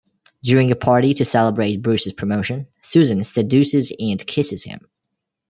During a party to celebrate Bruce's promotion, Susan seduces and kisses him.